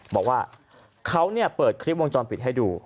บอกว่าเขาเนี่ยเปิดคลิปวงจรปิดให้ดู